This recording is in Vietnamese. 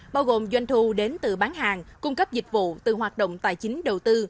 bao gồm doanh thu đến từ bán hàng cung cấp dịch vụ từ hoạt động tài chính đầu tư